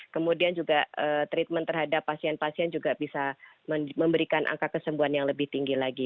kemudian juga treatment terhadap pasien pasien juga bisa memberikan angka kesembuhan yang lebih tinggi lagi